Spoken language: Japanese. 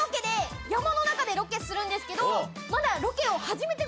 山の中でロケするんですけどまだ。